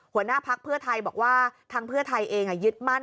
หัวหน้าพักเพื่อไทยบอกว่าทางเพื่อไทยเองยึดมั่น